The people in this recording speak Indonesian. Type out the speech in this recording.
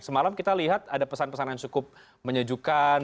semalam kita lihat ada pesan pesan yang cukup menyejukkan